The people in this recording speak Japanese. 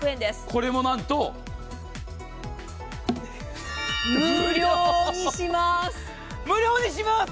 これもなんと無料にします！